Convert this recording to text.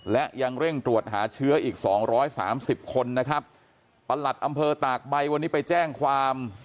และยังเร่งตรวจหาเชื้ออีกสองร้อยสามสิบคนนะครับประหลัดอำเภอตากใบวันนี้ไปแจ้งความ